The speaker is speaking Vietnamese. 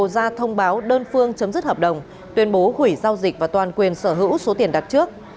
ra thông báo đơn phương chấm dứt hợp đồng tuyên bố hủy giao dịch và toàn quyền sở hữu số tiền đặt trước